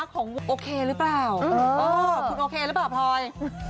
คุณโอเคหรือป่าวพลอย